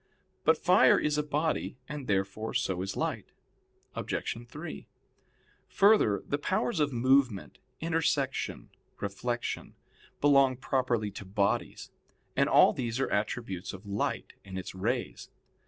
But fire is a body, and therefore so is light. Obj. 3: Further, the powers of movement, intersection, reflection, belong properly to bodies; and all these are attributes of light and its rays.